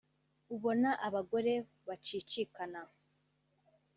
ubona abagore bacicikana